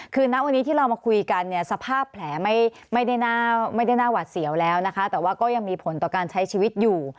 คือณวันนี้ที่เรามาคุยกันเนี่ยสภาพแผลไม่ได้น่าหวัดเสียวแล้วนะคะแต่ว่าก็ยังมีผลต่อการใช้ชีวิตอยู่